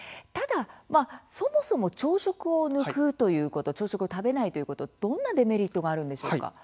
そもそも朝食を抜くということ朝食を食べないということどんなデメリットがあるんでしょうか？